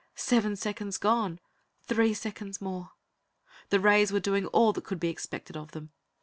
Seven seconds gone! Three seconds more. The rays were doing all that could be expected of them.